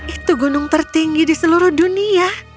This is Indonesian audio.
itu gunung tertinggi di seluruh dunia